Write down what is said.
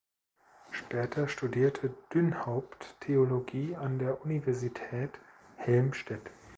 Später studierte Dünnhaupt Theologie an der Universität Helmstedt.